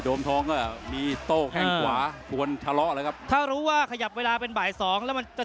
โดนบอกไม่กลัวไม่กลัวนี่แหละไม่กลัว